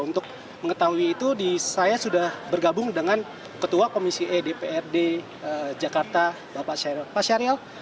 untuk mengetahui itu saya sudah bergabung dengan ketua komisi edprd jakarta bapak syariel